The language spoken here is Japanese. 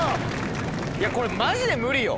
いやこれマジで無理よ